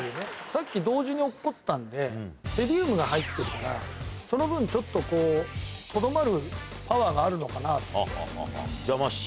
さっき同時に落っこったんでヘリウムが入ってるからその分ちょっとこうとどまるパワーがあるのかなと。